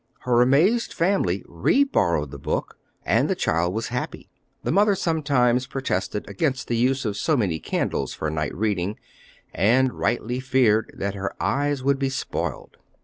Her amazed family re borrowed the book, and the child was happy. The mother sometimes protested against the use of so many candles for night reading, and rightly feared that her eyes would be spoiled.